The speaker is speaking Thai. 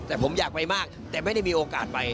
แต่ผมอยากไปมากแต่ไม่ได้มีโอกาสไป